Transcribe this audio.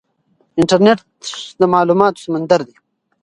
انټرنیټ د معلوماتو سمندر دی.